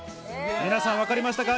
皆さん分かりましたか？